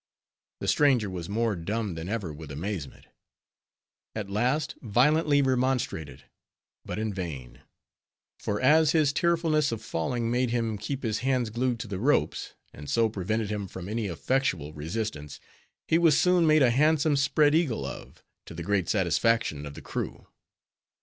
The stranger was more dumb than ever with amazement; at last violently remonstrated; but in vain; for as his fearfulness of falling made him keep his hands glued to the ropes, and so prevented him from any effectual resistance, he was soon made a handsome spread eagle of, to the great satisfaction of the crew.